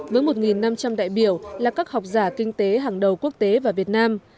với một năm trăm linh đại biểu là các học giả kinh tế hàng đầu quốc tế và việt nam